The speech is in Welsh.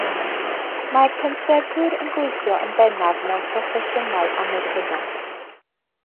Mae'r pentrefwyr yn gweithio yn bennaf mewn phroffesiynau amaethyddol.